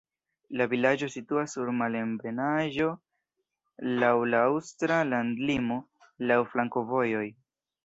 La vilaĝo situas sur malebenaĵo, laŭ la aŭstra landlimo, laŭ flankovojoj.